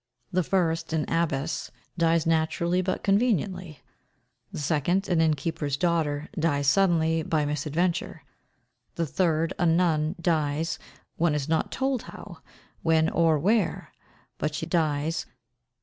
The first, an abbess, dies naturally but conveniently; the second, an innkeeper's daughter, dies suddenly, by misadventure; the third, a nun, dies, one is not told how, when, or where but she dies.